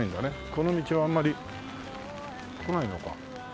この道はあんまり来ないのか。